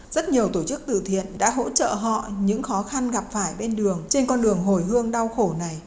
rất nhiều tổ chức từ thiện đã hỗ trợ họ những khó khăn gặp phải bên đường trên con đường hồi hương đau khổ này